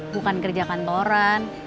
bukan kerja kantoran